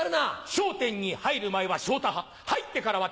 『笑点』に入る前は昇太派入ってからはたい平派。